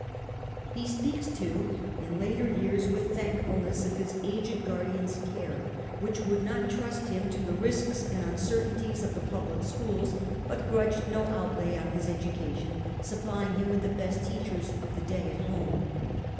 * He speaks too in later years with thankfulness of his aged guardian's care, which would not trust him to the risks and uncertainties of the public schools, but grudged no outlay on his education, supplying him with the best teachers of the day at home.